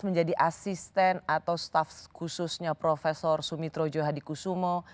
menjadi asisten atau staff khususnya prof sumitro johadikusumo